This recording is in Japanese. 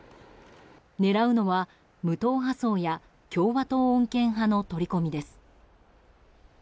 狙うのは、無党派層や共和党穏健派の取り込みです。